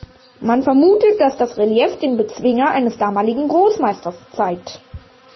Man vermutet, dass das Relief den Bezwinger eines damaligen Großmeisters zeigt.